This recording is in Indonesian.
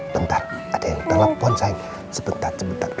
bentar ada yang telpon sayang sebentar sebentar